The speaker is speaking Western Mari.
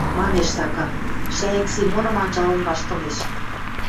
— манеш Сакар, Шӓйӹк Семоным анжалын ваштылеш.